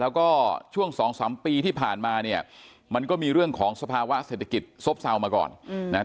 แล้วก็ช่วงสองสามปีที่ผ่านมาเนี่ยมันก็มีเรื่องของสภาวะเศรษฐกิจซบเซามาก่อนนะครับ